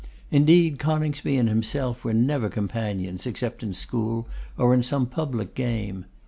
Indeed, Coningsby and himself were never companions, except in school, or in some public game.